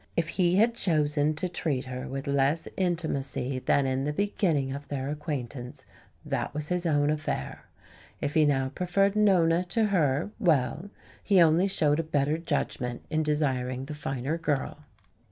If he had chosen to treat her with less intimacy than in the beginning of their acquaintance, that was his own affair. If he now preferred Nona to her well, he only showed a better judgment in desiring the finer girl.